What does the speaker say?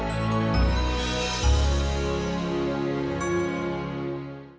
irmang geng asel ball